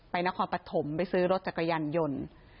ไปนครปภไปซื้อรถจักรยันยล